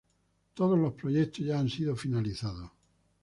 Todos los proyectos ya han sido finalizados.